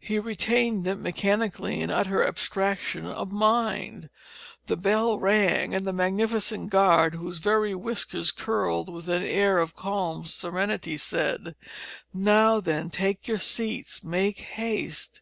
He retained it mechanically, in utter abstraction of mind. The bell rang, and the magnificent guard, whose very whiskers curled with an air of calm serenity, said, "Now then, take your seats; make haste."